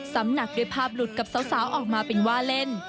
หนักด้วยภาพหลุดกับสาวออกมาเป็นว่าเล่น